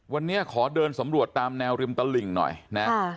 วันนี้ขอเดินสำรวจตามแนวริมตลิ่งหน่อยนะ